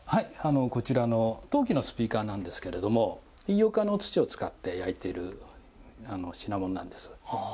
こちらの陶器のスピーカーなんですけど、飯岡の土を使って焼いている品物なんです。